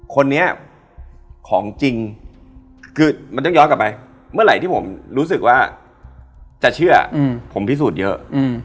คนนี้ของจริงคือมันต้องย้อนกลับไปเมื่อไหร่ที่ผมรู้สึกว่าจะเชื่อผมพิสูจน์เยอะ